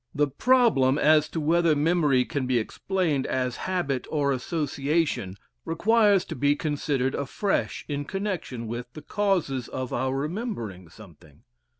The problem as to whether memory can be explained as habit or association requires to be considered afresh in connection with the causes of our remembering something.